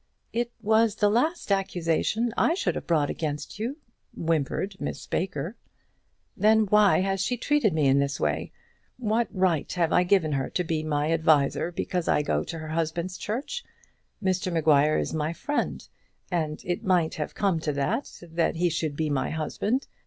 "It was the last accusation I should have brought against you," whimpered Miss Baker. "Then why has she treated me in this way? What right have I given her to be my advisor, because I go to her husband's church? Mr Maguire is my friend, and it might have come to that, that he should be my husband.